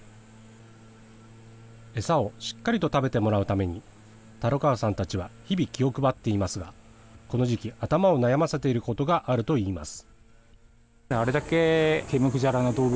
餌をしっかりと食べてもらうために、樽川さんたちは日々、気を配っていますが、この時期、頭を悩ませていることがあるといいます。